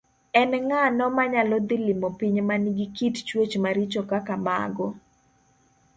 En ng'ano manyalo dhi limo piny ma nigi kit chwech maricho kaka mago?